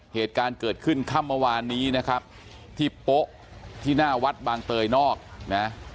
เหตุการณ์เกิดขึ้นค่ำเมื่อวานนี้นะครับที่โป๊ะที่หน้าวัดบางเตยนอกนะ